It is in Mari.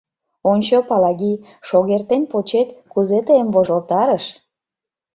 Ончо, Палаги — шогертен почет — кузе тыйым вожылтарыш?